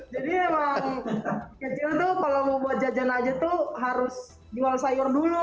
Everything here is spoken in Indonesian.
jadi memang kecil tuh kalau mau buat jajan aja tuh harus jual sayur dulu